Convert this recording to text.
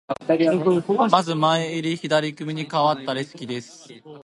まず前襟、左組にかわったレシキです。